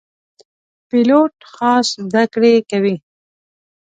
پیلوټ خاص زده کړې کوي.